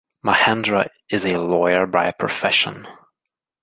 Mahendra is a lawyer by profession.